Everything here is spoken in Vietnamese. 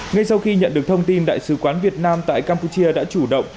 ngay sau khi nhận được thông tin đại sứ quán việt nam tại campuchia đã chủ động